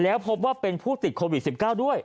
แล้วพบว่าเป็นผู้ติดโควิด๑๙ด้วย